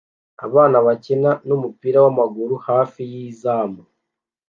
Abana bakina numupira wamaguru hafi yizamu